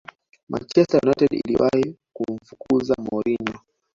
manchester united iliwahi kumfukuza mourinho